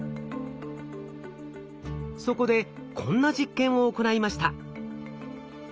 そこでこんな実験を行いました。